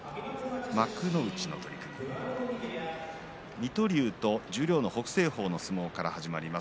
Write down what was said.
水戸龍と十両の北青鵬の相撲から始まります。